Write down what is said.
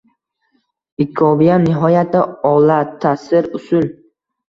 Ikkoviyam nihoyatda olatasir usul!